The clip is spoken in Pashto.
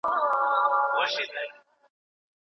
د دې ښار اجل راغلی مرګي کور پکښي اوډلی